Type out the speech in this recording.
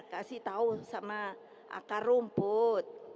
kasih tahu sama akar rumput